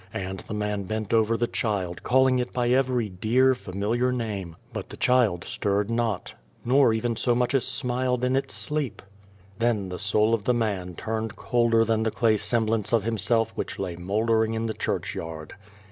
And the man bent over the child, calling it by every dear, familiar name ; but the child stirred not, nor even so much as smiled in its sleep. Then the soul of the man turned colder than the clay semblance of himself which lay mouldering in the churchyard.